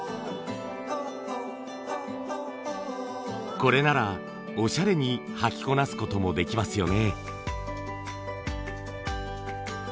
これならおしゃれに履きこなすこともできますよね。